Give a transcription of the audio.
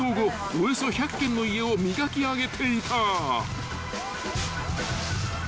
およそ１００軒の家を磨き上げていた］